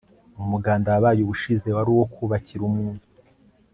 umuganda wabaye ubushize waruwo kubakira umuntu